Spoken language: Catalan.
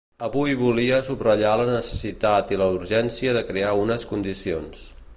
Avui volia subratllar la necessitat i la urgència de crear unes condicions.